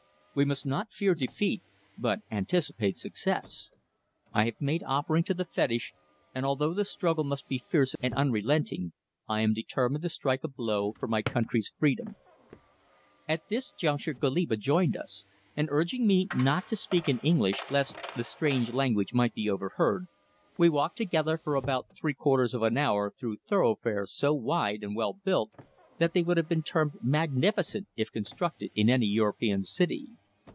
"We must not fear defeat, but anticipate success. I have made offering to the fetish, and although the struggle must be fierce and unrelenting I am determined to strike a blow for my country's freedom." At this juncture Goliba joined us, and urging me not to speak in English lest the strange language might be overheard, we walked together for about three quarters of an hour through thoroughfares so wide and well built that they would have been termed magnificent if constructed in any European city.